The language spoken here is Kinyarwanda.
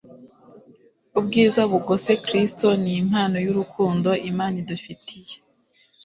Ubwiza bugose Kristo ni impano y'urukundo Imana idufitiye.